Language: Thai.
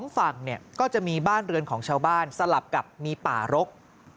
๒ฝั่งก็จะมีบ้านเรือนของชาวบ้านสลับกับมีป่ารก